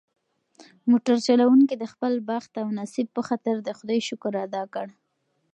موټر چلونکي د خپل بخت او نصیب په خاطر د خدای شکر ادا کړ.